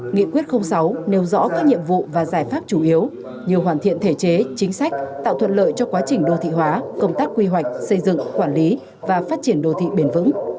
nghị quyết sáu nêu rõ các nhiệm vụ và giải pháp chủ yếu như hoàn thiện thể chế chính sách tạo thuận lợi cho quá trình đô thị hóa công tác quy hoạch xây dựng quản lý và phát triển đô thị bền vững